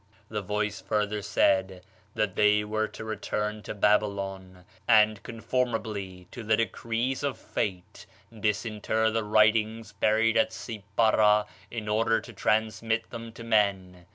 The voice further said that they were to return to Babylon, and, conformably to the decrees of fate, disinter the writings buried at Sippara in order to transmit them to men.